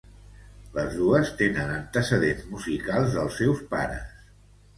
Les dos tenen antecedents musicals dels seus pares.